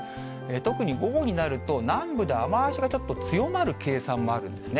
特に午後になると、南部で雨足がちょっと強まる計算もあるんですね。